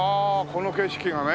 この景色がね。